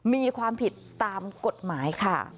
มีความผิดตามกฎหมายค่ะ